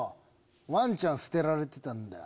ワンちゃん捨てられてたんだよ。